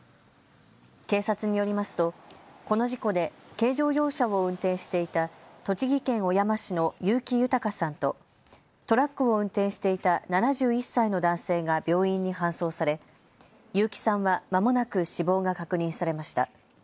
警察によりますとこの事故で軽乗用車を運転していた栃木県小山市の結城豊さんとトラックを運転していた７１歳の男性が病院に搬送され結城さんはまもなく死亡が確認されました。